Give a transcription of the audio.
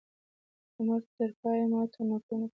د عمر تر پایه یې ما ته نکلونه کول.